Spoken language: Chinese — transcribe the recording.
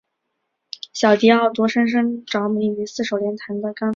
小狄奥多深深着迷于四手联弹的钢琴演奏。